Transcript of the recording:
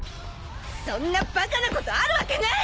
そんなバカなことあるわけない！